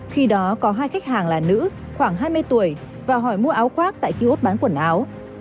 khi đó có hai khách hàng là nữ khoảng hai mươi tuổi và hỏi mua áo khoác tại kiosk bán quần áo